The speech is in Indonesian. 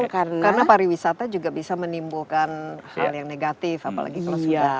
karena pariwisata juga bisa menimbulkan hal yang negatif apalagi kalau sudah